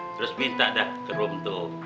terus minta dah kerum tuh